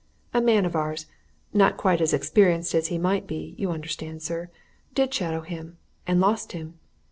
A man of ours not quite as experienced as he might be, you understand, sir did shadow him and lost him.